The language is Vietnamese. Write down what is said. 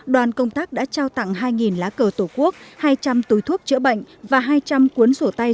đoàn công tác đã trao tặng hai lá cờ tổ quốc hai trăm linh túi thuốc chữa bệnh và hai trăm linh cuốn sổ tay